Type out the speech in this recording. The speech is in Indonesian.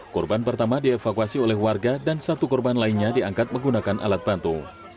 korban pertama dievakuasi oleh warga dan satu korban lainnya diangkat menggunakan alat bantu